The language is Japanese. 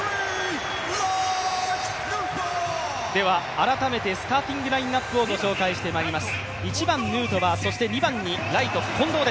改めてスターティングラインナップをご紹介してまいります。